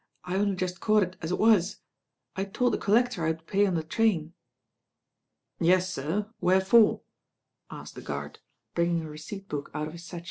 I only just caught it as it was. I told the collector I would pay on the train." "Yes, sir, where for?" asked the guard, bringing a receipt book out of his satchel.